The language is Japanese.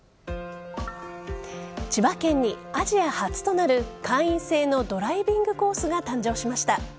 千葉県にアジア初となる会員制のドライビングコースが誕生しました。